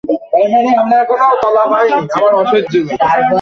এবার পেঁয়াজ কুচি দিয়ে দিন এবং পেয়াজ বাদামি করে ভেজে নিন।